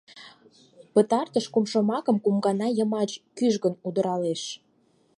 Пытартыш кум шомакым кум гана йымач кӱжгын удыралеш.